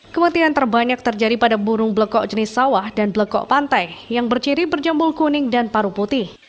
kematian terbanyak terjadi pada burung blekok jenis sawah dan blekok pantai yang berciri berjambul kuning dan paru putih